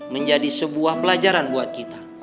menjadi sebuah pelajaran buat kita